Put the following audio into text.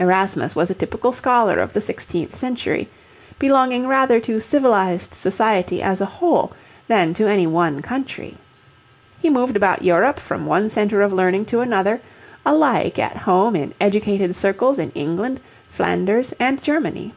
Erasmus was a typical scholar of the sixteenth century, belonging rather to civilized society as a whole than to any one country. He moved about Europe from one centre of learning to another, alike at home in educated circles in England, Flanders, and Germany.